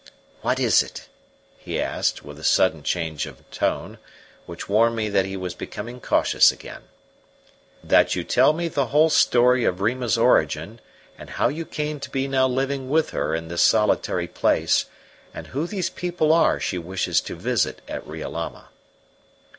"What is it?" he asked, with a sudden change of tone, which warned me that he was becoming cautious again. "That you tell me the whole story of Rima's origin, and how you came to be now living with her in this solitary place, and who these people are she wishes to visit at Riolama."